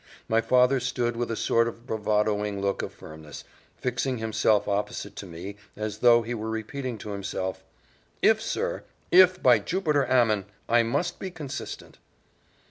My father stood with a sort of bravadoing look of firmness, fixing himself opposite to me, as though he were repeating to himself, "If, sir! If By Jupiter Ammon! I must be consistent."